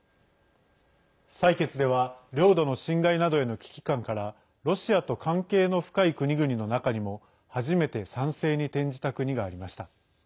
採決では領土の侵害などへの危機感からロシアと関係の深い国々の中にも初めて賛成に転じた国がありました。